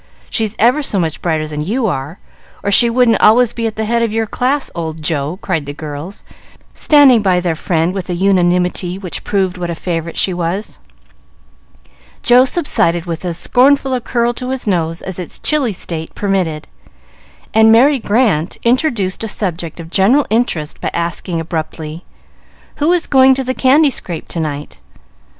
She's ever so much brighter than you are, or she wouldn't always be at the head of your class, old Joe," cried the girls, standing by their friend with a unanimity which proved what a favorite she was. Joe subsided with as scornful a curl to his nose as its chilly state permitted, and Merry Grant introduced a subject of general interest by asking abruptly, "Who is going to the candy scrape to night?"